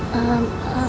kamu mau kan kasih tau aku